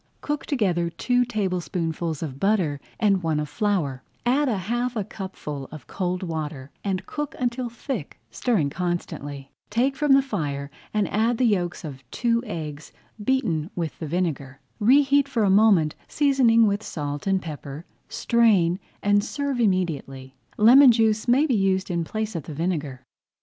Cook together two tablespoonfuls of butter and one of flour, add a half cupful of cold water, and cook until thick, stirring constantly. Take from the fire and add the yolks of two eggs beaten with the vinegar. Reheat for a moment, seasoning with salt and pepper, strain, and serve immediately. Lemon juice may be used in place of the vinegar.